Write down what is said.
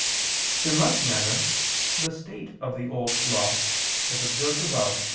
In like manner the state of the Old Law, as observed above (A.